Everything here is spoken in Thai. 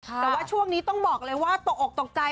แต่ว่าช่วงนี้ต้องบอกเลยว่าตกออกตกใจ